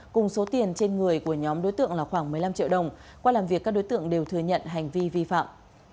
cùng số tiền trên người của nhóm đối tượng là khoảng một mươi năm triệu đồng qua làm việc các đối tượng đều thừa nhận hành vi vi phạm